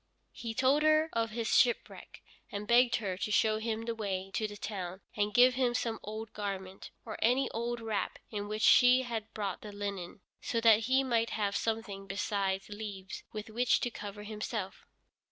He told her of his shipwreck, and begged her to show him the way to the town, and give him some old garment, or any old wrap in which she had brought the linen, so that he might have something besides leaves with which to cover himself.